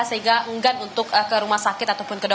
sehingga enggak untuk ke rumah sakit